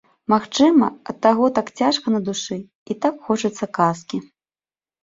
Магчыма, ад таго так цяжка на душы і так хочацца казкі.